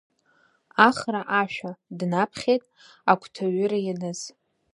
Ахра ашәа, днаԥхьеит агәҭа аҩыра ианыз.